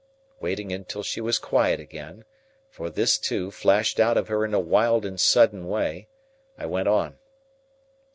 Waiting until she was quiet again,—for this, too, flashed out of her in a wild and sudden way,—I went on.